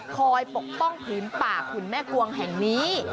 คอยปกป้องพื้นป่าขุนแม่กว้องแห่งนี้